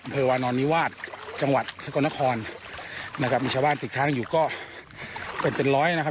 เผอวานอนมิวาสจังหวัดทรกนครมีชาวบ้านติดทางอยู่ก็เป็นเป็นร้อยนะครับ